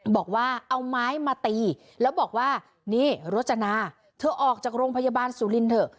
บอกว่าเอาไม้มาตีแล้วบอกว่านี่โรจนาเธอออกจากโรงพยาบาลสุรินเถอะ